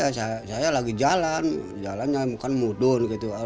ya ceritanya ya saya lagi jalan jalan yang bukan mudun gitu